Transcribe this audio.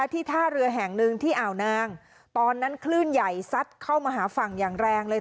ท่าเรือแห่งหนึ่งที่อ่าวนางตอนนั้นคลื่นใหญ่ซัดเข้ามาหาฝั่งอย่างแรงเลย